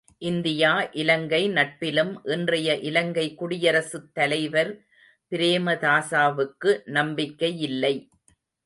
India Ilangai நட்பிலும் இன்றைய இலங்கை குடியரசுத் தலைவர் பிரேமதாசாவுக்கு நம்பிக்கையில்லை.